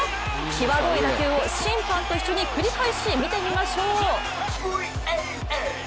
きわどい打球を審判と一緒に繰り返し見てみましょう。